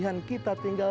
tidak ada pengikut